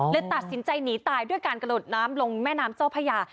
ตัดสินใจหนีตายด้วยการกระโดดน้ำลงแม่น้ำเจ้าพญา